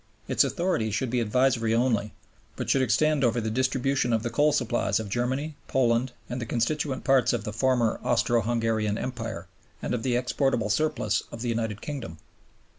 Its authority should be advisory only, but should extend over the distribution of the coal supplies of Germany, Poland, and the constituent parts of the former Austro Hungarian Empire, and of the exportable surplus of the United Kingdom.